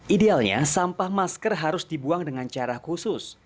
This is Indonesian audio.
idealnya sampah masker harus dibuang dengan cara khusus